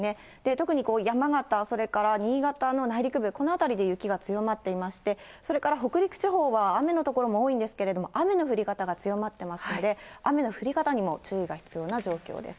特に山形、それから新潟の内陸部、この辺りで雪が強まっていまして、それから北陸地方は雨の所も多いんですけれども、雨の降り方が強まっていますので、雨の降り方にも注意が必要な状況です。